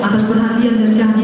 saya bisa bekerja